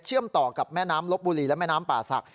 ต่อกับแม่น้ำลบบุรีและแม่น้ำป่าศักดิ